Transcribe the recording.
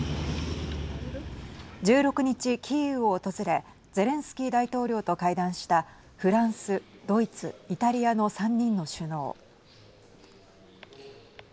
１６日、キーウを訪れゼレンスキー大統領と会談したフランス、ドイツイタリアの３人の首脳。